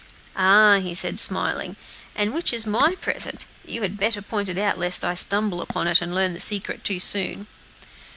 "Ah!" he said, smiling; "and which is my present? You had better point it out, lest I should stumble upon it and learn the secret too soon."